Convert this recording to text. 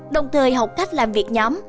đồng thời học cách làm việc nhóm